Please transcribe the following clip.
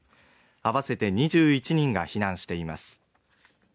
あわせて２１人が避難しています。